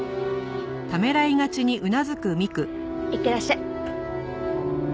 いってらっしゃい。